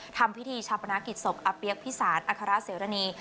ทำพิธีชาปนากิจศพอาเปี๊ยกพิสารอัครเสรณี